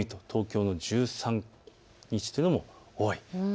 東京の１３日というのも多い。